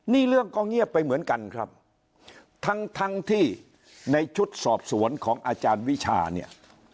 นี่เรื่องก็เงียบไปเหมือนกันครับทั้งทั้งที่ในชุดสอบสวนของอาจารย์วิชาเนี่ย